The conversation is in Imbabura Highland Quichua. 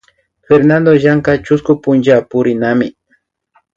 Fernando llankan chusku punchapurinapi